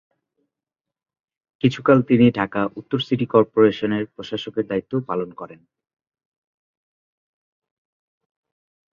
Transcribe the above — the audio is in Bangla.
কিছুকাল তিনি ঢাকা উত্তর সিটি করপোরেশনের প্রশাসকের দায়িত্বও পালন করেন।